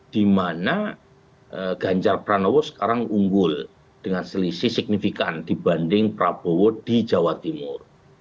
dimana ganjar pranowo sekarang unggul dengan selisih signifikan dibanding prabowo di jawa timur